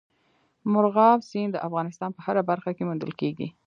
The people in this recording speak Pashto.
مورغاب سیند د افغانستان په هره برخه کې موندل کېږي.